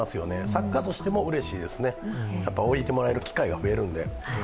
作家としてもうれしいですね、置いてもらえる機会が増えるんで。